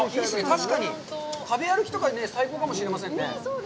確かに食べ歩きとかに最高かもしれませんね。